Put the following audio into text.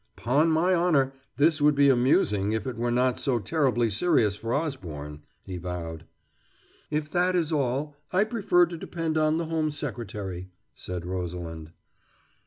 "'Pon my honor, this would be amusing if it were not so terribly serious for Osborne," he vowed. "If that is all, I prefer to depend on the Home Secretary," said Rosalind.